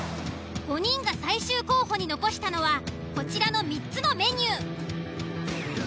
５人が最終候補に残したのはこちらの３つのメニュー。